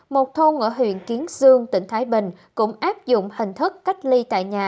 một thôn ở huyện kiến sương tỉnh thái bình cũng áp dụng hình thức cách ly tại nhà